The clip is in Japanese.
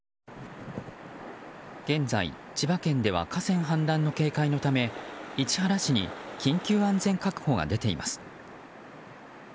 現在、千葉県では河川氾濫の警戒のため市原市に緊急安全確保が出ています。